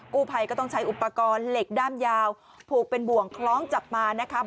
กู้ภัยก็ต้องใช้อุปกรณ์เหล็กด้ามยาวผูกเป็นบ่วงคล้องจับมานะครับ